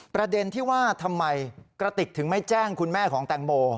ประเด็นที่ว่าทำไมกระติกถึงไม่แจ้งคุณแม่ของแตงโม